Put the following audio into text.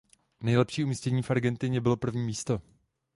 Nejlepší umístění v Argentině bylo první místo.